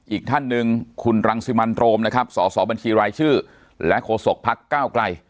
อีกท่านหนึ่งขุนรังสิมันโตรมสอบสอบรถทรีย์รายชื่อและโขโศกภาคก้าลไกล